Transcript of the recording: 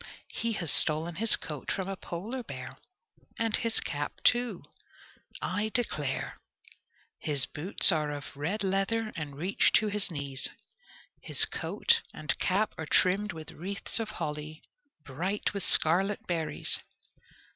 He has stolen his coat from a polar bear, and his cap, too, I declare! His boots are of red leather and reach to his knees. His coat and cap are trimmed with wreaths of holly, bright with scarlet berries.